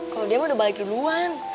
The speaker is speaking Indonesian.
kalau dia mah udah balik duluan